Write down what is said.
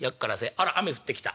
あら雨降ってきた。